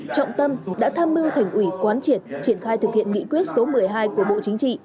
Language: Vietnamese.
trọng tâm đã tham mưu thành ủy quán triệt triển khai thực hiện nghị quyết số một mươi hai của bộ chính trị